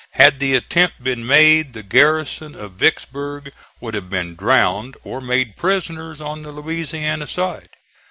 Had the attempt been made the garrison of Vicksburg would have been drowned, or made prisoners on the Louisiana side.